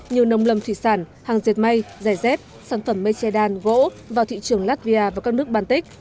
như nông lâm thủy sản hàng dệt may giải dép sản phẩm mây che đan gỗ vào thị trường latvia và các nước baltic